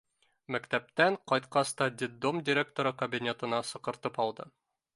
Мәктәптән ҡайтҡас та детдом директоры кабинетына саҡыртып алды.